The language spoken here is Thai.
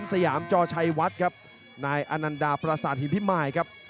สยามจอชัยวัดครับนายอันนันดาปราศาสตร์หินพิมมาลครับ